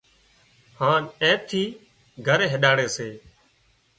هانَ اين ٿي گھر هينڏاڙي سي